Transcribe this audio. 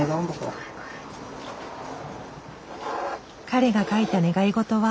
彼が書いた願いごとは？